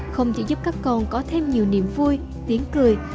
không chỉ giúp các con có thêm nhiều niềm vui tiếng cười